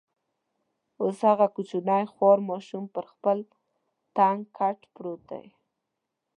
اوس هغه کوچنی خوار ماشوم پر خپل تنګ کټ پروت دی.